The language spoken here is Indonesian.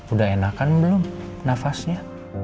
udah enakan belum nafasnya